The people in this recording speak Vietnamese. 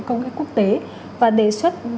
công nghệ quốc tế và đề xuất